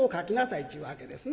っちゅうわけですな。